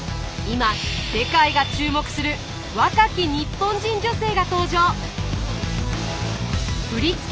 今世界が注目する若き日本人女性が登場！